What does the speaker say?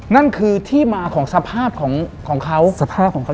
นั่นคือที่มาของสภาพของเขา